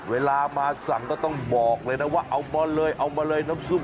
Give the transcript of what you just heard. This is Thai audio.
เวลามาสั่งก็ต้องบอกเลยนะว่าเอามาเลยเอามาเลยน้ำซุป